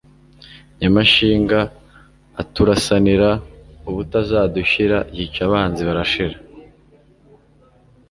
Nyamashinga aturasanira ubutazadushira, Yica abanzi barashira.